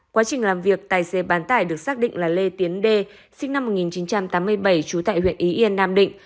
quá trình làm việc tài xế bán tải được xác định là lê tiến đê sinh năm một nghìn chín trăm tám mươi bảy trú tại huyện ý yên nam định